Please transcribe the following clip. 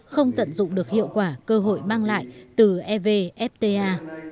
không tận dụng được hiệu quả cơ hội mang lại từ evfta